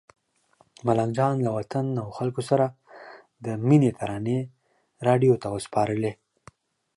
ملنګ جان له وطن او خلکو سره د مینې ترانې راډیو ته وسپارلې.